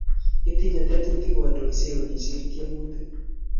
Itinye tetutik kondoitaun isir tiemutik